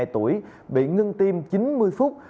một mươi tuổi bị ngưng tim chín mươi phút